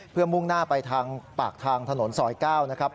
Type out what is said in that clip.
เพื่อมุ่งหน้าไปทางปากทางถนนซอย๙นะครับ